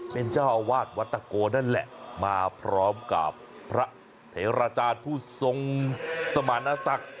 เป็นเจ้าอาวาสวัดตะโกนั่นแหละมาพร้อมกับพระเถราจารย์ผู้ทรงสมารณศักดิ์